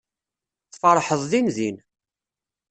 Tfeṛḥeḍ dindin.